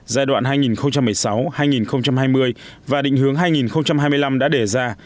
giai đoạn hai nghìn một mươi sáu hai nghìn hai mươi và định hướng hai nghìn hai mươi năm đã đề ra